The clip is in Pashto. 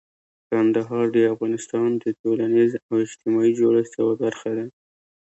کندهار د افغانستان د ټولنیز او اجتماعي جوړښت یوه برخه ده.